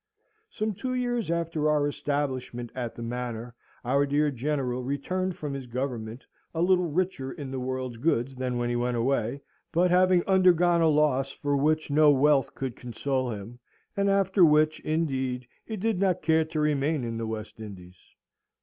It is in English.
Some two years after our establishment at the Manor, our dear General returned from his government, a little richer in the world's goods than when he went away, but having undergone a loss for which no wealth could console him, and after which, indeed, he did not care to remain in the West Indies.